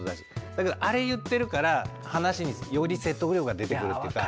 だけどあれ言ってるから話により説得力が出てくるっていうか。